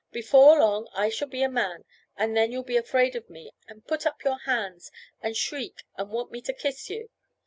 "Before long I shall be a man, and then you'll be afraid of me, and put up your hands, and shriek, and want me to kiss you."